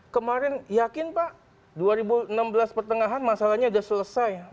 kemarin yakin pak dua ribu enam belas pertengahan masalahnya sudah selesai